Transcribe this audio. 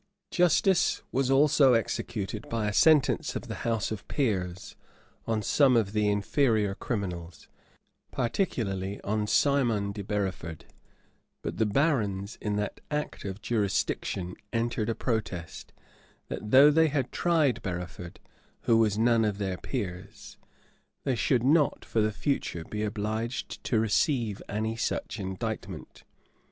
} Justice was also executed by a sentence of the house of peers on some of the inferior criminals, particularly on Simon de Bereford: but the barons, in that act of jurisdiction, entered a protest, that though they had tried Bereford, who was none of their peers, they should not for the future be obliged to receive any such indictment.